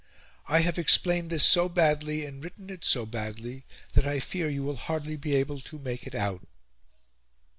I have explained this so badly and written it so badly, that I fear you will hardly be able to make it out."